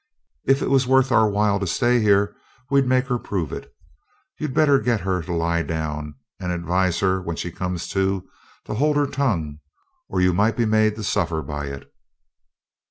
If it was worth our while to stay here, we'd make her prove it. You'd better get her to lie down, and advise her, when she comes to, to hold her tongue, or you might be made to suffer by it.'